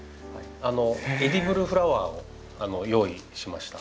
エディブルフラワーを用意しました。